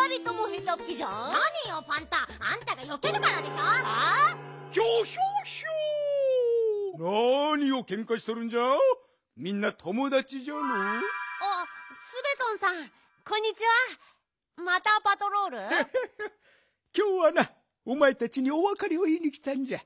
ヒョヒョヒョきょうはなおまえたちにおわかれをいいにきたんじゃ。